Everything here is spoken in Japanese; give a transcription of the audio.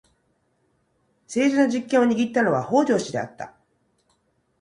政治の実権を握ったのは北条氏であった。